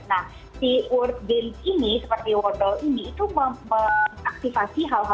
nah si word game ini seperti wordle ini itu mengaktifasi hal hal